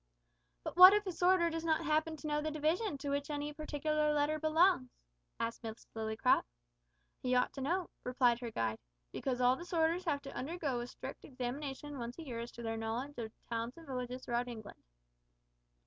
"But what if a sorter does not happen to know the division to which any particular letter belongs?" asked Miss Lillycrop. "He ought to know," replied her guide, "because all the sorters have to undergo a strict examination once a year as to their knowledge of towns and villages throughout England."